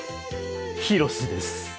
ヒロシです。